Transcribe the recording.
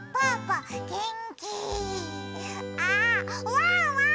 ワンワーン！